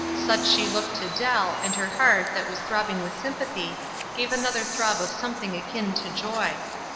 Such she looked to Dell, and her heart, that was throbbing with sympathy, gave another throb of something akin to joy.